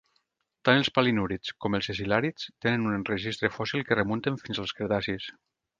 Tant els palinúrids com els escil·làrids tenen un registre fòssil que remunten fins als cretacis.